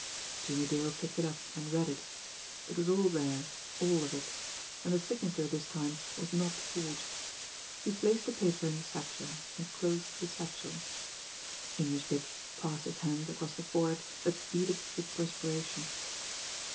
Jimmie Dale picked it up, and read it. It was all there, all of it and the signature this time was not forged! He placed the paper in the satchel, and closed the satchel. English Dick passed his hand across a forehead that beaded with perspiration.